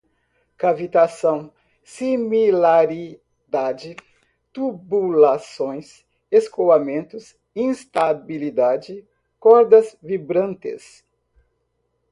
cavitação, similaridade, tubulações, escoamentos, instabilidade, cordas vibrantes